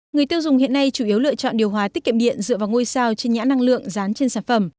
người tiêu dùng hiện nay chủ yếu lựa chọn điều hòa tiết kiệm điện dựa vào ngôi sao trên nhãn năng lượng dán trên sản phẩm